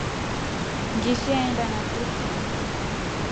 Ngiishi aenda nakufo.